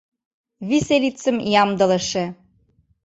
Виселицым ямдылыше...